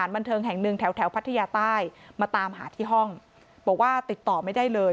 ไปแถวพัทยาใต้มาตามหาที่ห้องบอกว่าติดต่อไม่ได้เลย